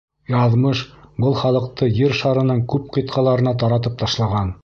Яҙмыш был халыҡты Ер шарының күп ҡитғаларына таратып ташлаған.